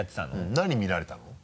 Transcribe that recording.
何見られたの？